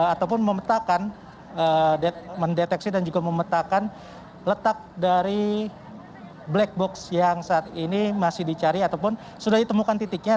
ataupun memetakan mendeteksi dan juga memetakan letak dari black box yang saat ini masih dicari ataupun sudah ditemukan titiknya